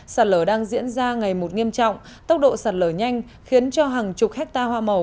sạt lở đang diễn ra ngày một nghiêm trọng tốc độ sạt lở nhanh khiến cho hàng chục hectare hoa màu